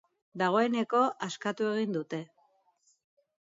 Dagoeneko askatu egin dute.